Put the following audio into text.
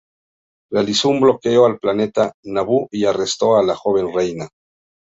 Realizó un bloqueo al planeta Naboo y arrestó a la joven reina.